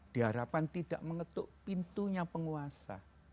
diharapkan tidak mengetuk pintunya penguasa